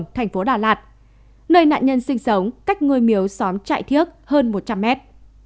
thành phố đà lạt nơi nạn nhân sinh sống cách ngôi miếu xóm trại thiếc hơn một trăm linh mét